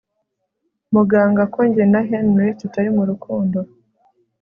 muganga ko njye na Henry tutari murukundo